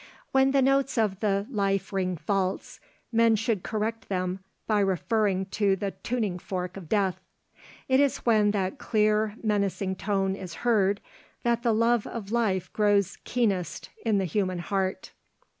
When the notes of life ring false, men should correct them by referring to the tuning fork of death. It is when that clear menacing tone is heard that the love of life grows keenest in the human heart.